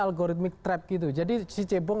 algoritma trap jadi si cepong